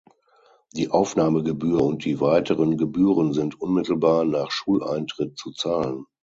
Die Aufnahmegebühr und die weiteren Gebühren sind unmittelbar nach Schuleintritt zu zahlen.